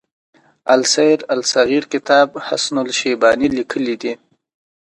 السير الصغير کتاب حسن الشيباني ليکی دی.